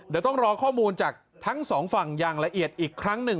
เดี๋ยวต้องรอข้อมูลจากทั้งสองฝั่งอย่างละเอียดอีกครั้งหนึ่ง